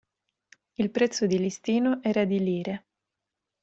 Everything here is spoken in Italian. Il prezzo di listino era di Lire.